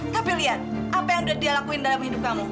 tapi lihat apa yang sudah dia lakuin dalam hidup kamu